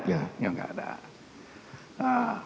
ya nggak ada